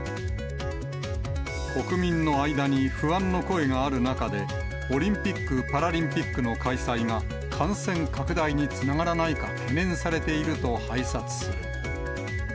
国民の間に不安の声がある中で、オリンピック・パラリンピックの開催が、感染拡大につながらないか、懸念されていると拝察する。